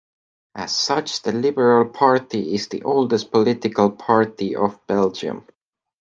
As such the liberal party is the oldest political party of Belgium.